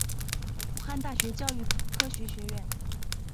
武汉大学教育科学学院